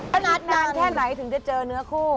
ขนาดนานแค่ไหนถึงจะเจอเนื้อคู่